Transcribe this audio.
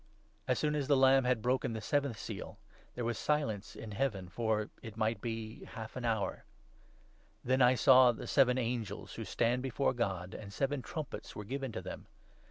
As soon as the Lamb had broken the seventh seal, there was silence in Heaven for, it might be, half an hour. III. — THE VISION OF THE SEVEN TRUMPET BLASTS. Then I saw the seven angels who stand before God, and 2 seven trumpets were given to them.